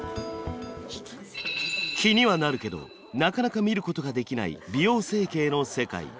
気にはなるけどなかなか見ることができない美容整形の世界。